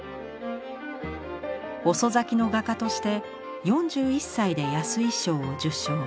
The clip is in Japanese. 遅咲きの画家として４１歳で安井賞を受賞。